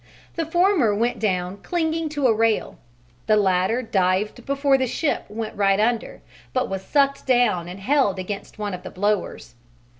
The former went down clinging to a rail, the latter dived before the ship went right under, but was sucked down and held against one of the blowers.